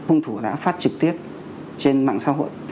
hung thủ đã phát trực tiếp trên mạng xã hội